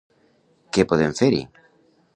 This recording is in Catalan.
Què podem fer-hi!